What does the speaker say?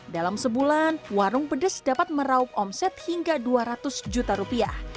dalam sebulan warung pedes dapat meraup omset hingga dua ratus juta rupiah